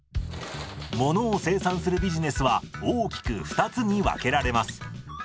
ものを生産するビジネスは大きく２つに分けられます。